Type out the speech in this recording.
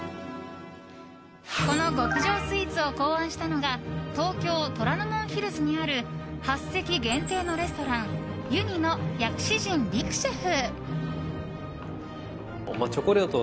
この極上スイーツを考案したのが東京・虎ノ門ヒルズにある８席限定のレストランｕｎｉｓの薬師神陸シェフ。